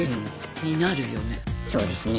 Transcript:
そうですね。